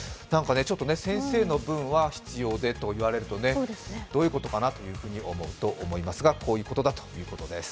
先生の分は必要でと言われると、どういうことかなと思うと思いますが、こういうことだということです。